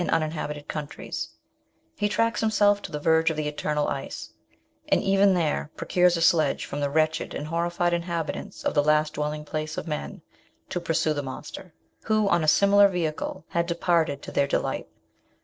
uninhabited countries ; he tracks him to the verge of the eternal ice, and even there procures a sledge from the wretched and horrified inhabitants of the last dwelling place of men to pursue the monster, who, on a similar vehicle, had departed, to their delight.